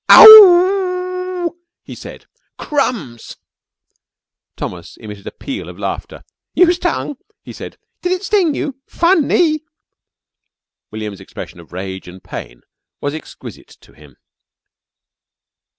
"Oo ou!" he said. "Crumbs!" Thomas emitted a peal of laughter. "You stung?" he said. "Did it sting you? Funny!" William's expression of rage and pain was exquisite to him.